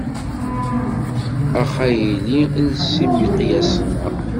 Ax a yelli els imeqyasen-a.